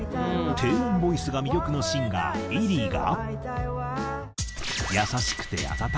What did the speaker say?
低音ボイスが魅力のシンガーｉｒｉが。